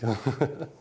ハハハ。